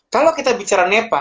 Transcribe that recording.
kalau kita bicara nepa